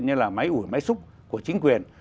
như là máy ủi máy xúc của chính quyền